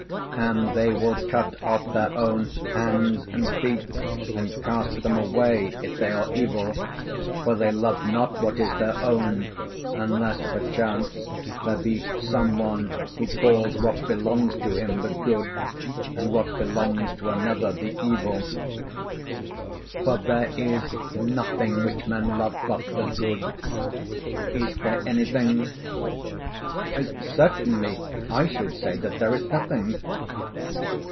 And they will cut off their own hands and feet and cast them away, if they are evil; for they love not what is their own, unless perchance there be some one who calls what belongs to him the good, and what belongs to another the evil. For there is nothing which men love but the good. Is there anything?' 'Certainly, I should say, that there is nothing.'